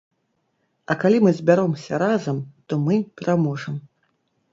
А калі мы збяромся разам, то мы пераможам.